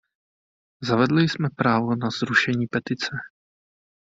Zavedli jsme právo na zrušení petice.